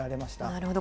なるほど。